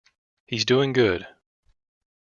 He's doing good.